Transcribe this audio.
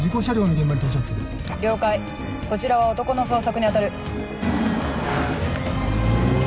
こちらは男の捜索に当たる。